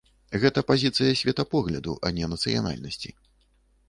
Гэта пазіцыя светапогляду, а не нацыянальнасці.